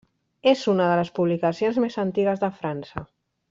És una de les publicacions més antigues de França.